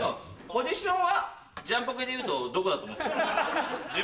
ポジションはジャンポケでいうとどこだと思ってるの？